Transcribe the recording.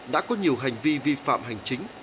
đã có nhiều hành vi vi phạm hành chính